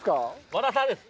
ワラサです。